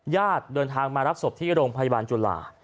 ญาติเดินทางมารับศพที่โรงพยาบาลจุฬา